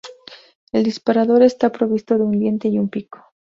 El disparador está provisto de un diente y un pico.